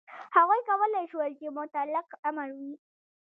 هغوی کولای شول چې مطلق امر وي.